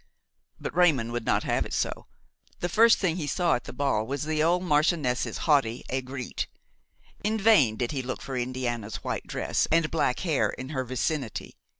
But Raymon would not have it so. The first thing that he saw at the ball was the old marchioness's haughty aigrette. In vain did he look for Indiana's white dress and black hair in her vicinity.